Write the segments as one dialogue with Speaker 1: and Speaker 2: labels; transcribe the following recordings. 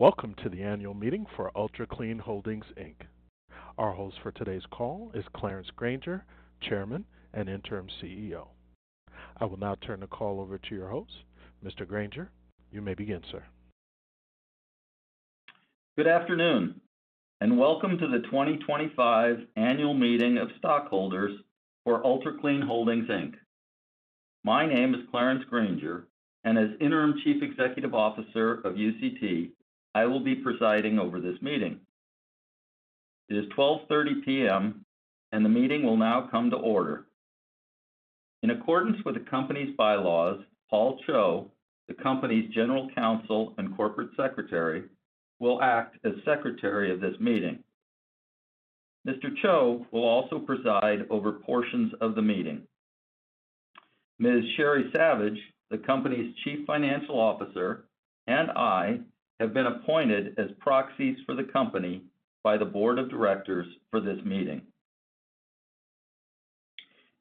Speaker 1: Welcome to the annual meeting for Ultra Clean Holdings, Inc. Our host for today's call is Clarence Granger, Chairman and Interim CEO. I will now turn the call over to your host. Mr. Granger, you may begin, sir.
Speaker 2: Good afternoon, and welcome to the 2025 Annual Meeting of Stockholders for Ultra Clean Holdings, Inc. My name is Clarence Granger, and as Interim Chief Executive Officer of UCT, I will be presiding over this meeting. It is 12:30 P.M., and the meeting will now come to order. In accordance with the company's bylaws, Paul Cho, the company's General Counsel and Corporate Secretary, will act as Secretary of this meeting. Mr. Cho will also preside over portions of the meeting. Ms. Sheri Savage, the company's Chief Financial Officer, and I have been appointed as proxies for the company by the Board of Directors for this meeting.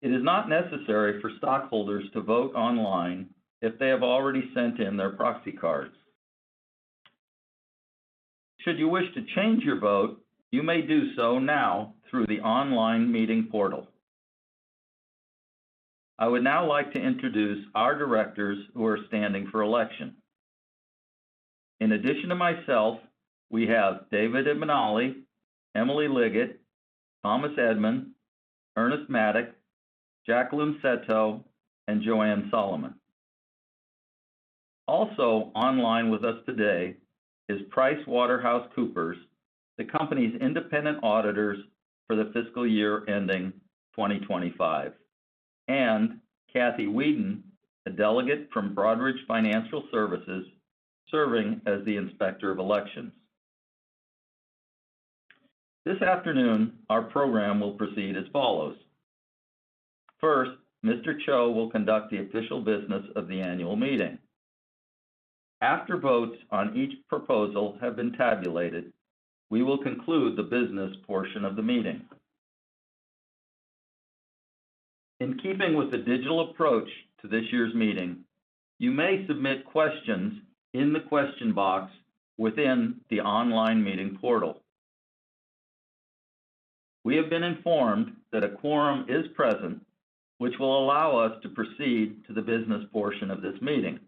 Speaker 2: It is not necessary for stockholders to vote online if they have already sent in their proxy cards. Should you wish to change your vote, you may do so now through the online meeting portal. I would now like to introduce our directors who are standing for election. In addition to myself, we have David Ibnale, Emily Liggett, Thomas Edman, Ernest Maddock, Jacqueline Seto, and Joanne Solomon. Also online with us today is PricewaterhouseCoopers, the company's independent auditors for the fiscal year ending 2025, and Kathy Wheadon, a delegate from Broadridge Financial Solutions, serving as the Inspector of Elections. This afternoon, our program will proceed as follows: First, Mr. Cho will conduct the official business of the annual meeting. After votes on each proposal have been tabulated, we will conclude the business portion of the meeting. In keeping with the digital approach to this year's meeting, you may submit questions in the question box within the online meeting portal. We have been informed that a quorum is present, which will allow us to proceed to the business portion of this meeting.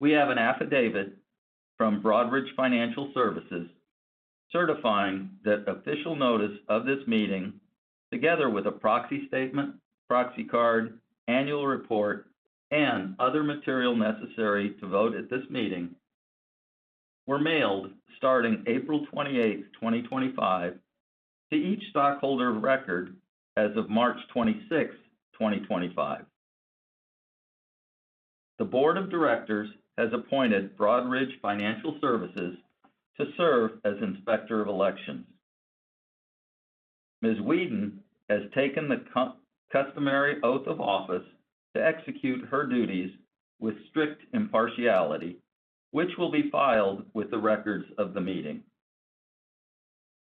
Speaker 2: We have an affidavit from Broadridge Financial Solutions certifying that official notice of this meeting, together with a proxy statement, proxy card, annual report, and other material necessary to vote at this meeting, were mailed starting April 28, 2025, to each stockholder of record as of March 26th, 2025. The Board of Directors has appointed Broadridge Financial Solutions to serve as Inspector of Elections. Ms. Wheadon has taken the customary oath of office to execute her duties with strict impartiality, which will be filed with the records of the meeting.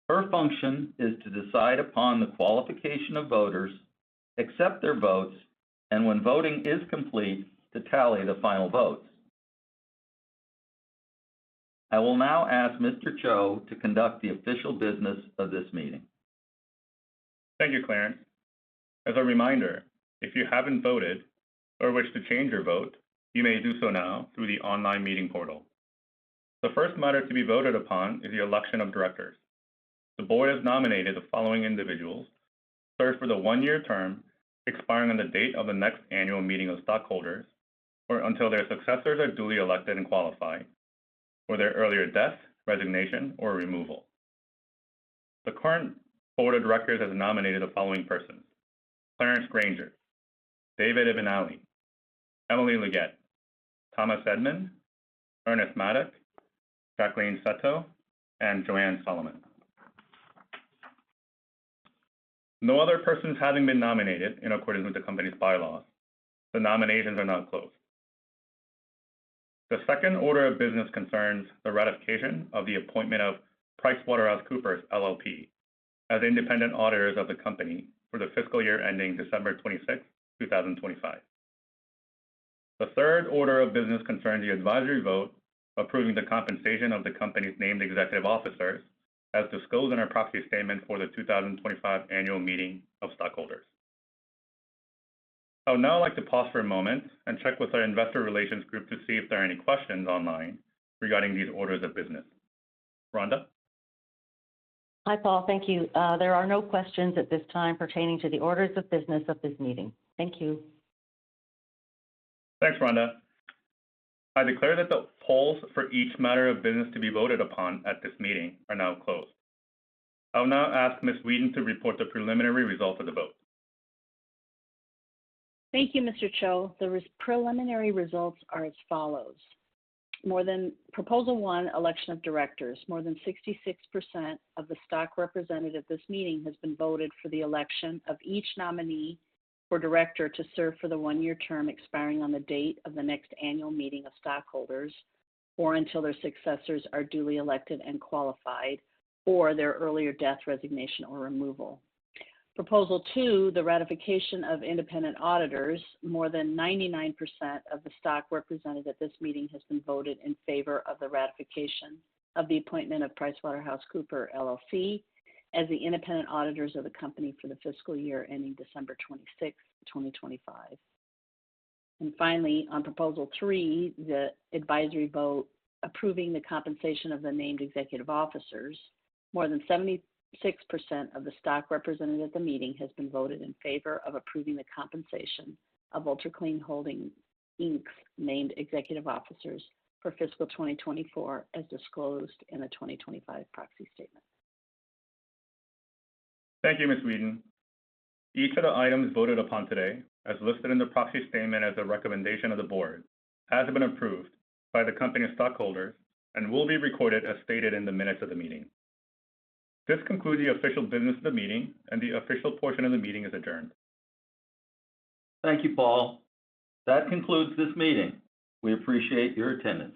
Speaker 2: Her function is to decide upon the qualification of voters, accept their votes, and when voting is complete, to tally the final votes. I will now ask Mr. Cho to conduct the official business of this meeting.
Speaker 3: Thank you, Clarence. As a reminder, if you haven't voted or wish to change your vote, you may do so now through the online meeting portal. The first matter to be voted upon is the election of directors. The board has nominated the following individuals to serve for the one-year term, expiring on the date of the next annual meeting of stockholders, or until their successors are duly elected and qualified, or their earlier death, resignation, or removal. The current board of directors has nominated the following persons: Clarence Granger, David Ibnale, Emily Liggett, Thomas Edman, Ernest Maddock, Jacqueline Seto, and Joanne Solomon. No other persons having been nominated in accordance with the company's bylaws, the nominations are now closed. The second order of business concerns the ratification of the appointment of PricewaterhouseCoopers LLP as independent auditors of the company for the fiscal year ending December 26, 2025. The third order of business concerns the advisory vote, approving the compensation of the company's named executive officers, as disclosed in our proxy statement for the 2025 annual meeting of stockholders. I would now like to pause for a moment and check with our investor relations group to see if there are any questions online regarding these orders of business. Rhonda?
Speaker 4: Hi, Paul. Thank you. There are no questions at this time pertaining to the orders of business of this meeting. Thank you.
Speaker 3: Thanks, Rhonda. I declare that the polls for each matter of business to be voted upon at this meeting are now closed. I will now ask Ms. Wheadon to report the preliminary results of the vote.
Speaker 4: Thank you, Mr. Cho. The preliminary results are as follows: More than... Proposal one, election of directors. More than 66% of the stock represented at this meeting has been voted for the election of each nominee for director to serve for the one-year term expiring on the date of the next annual meeting of stockholders, or until their successors are duly elected and qualified, or their earlier death, resignation, or removal. Proposal two, the ratification of independent auditors. More than 99% of the stock represented at this meeting has been voted in favor of the ratification of the appointment of PricewaterhouseCoopers LLP as the independent auditors of the company for the fiscal year ending December 26, 2025. And finally, on proposal three, the advisory vote approving the compensation of the named executive officers. More than 76% of the stock represented at the meeting has been voted in favor of approving the compensation of Ultra Clean Holdings, Inc.'s named executive officers for fiscal 2024, as disclosed in the 2025 proxy statement.
Speaker 3: Thank you, Ms. Wheadon. Each of the items voted upon today, as listed in the proxy statement as a recommendation of the board, has been approved by the company stockholders and will be recorded as stated in the minutes of the meeting. This concludes the official business of the meeting, and the official portion of the meeting is adjourned.
Speaker 2: Thank you, Paul. That concludes this meeting. We appreciate your attendance.